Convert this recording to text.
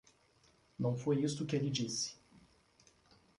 Não foi isto que ele disse.